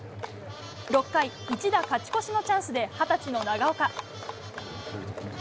６回、一打勝ち越しのチャンスで２０歳の長岡。